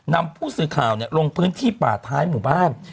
นำผู้สื่อข่าวลงพื้นที่ป่าท้ายหมู่บ้าน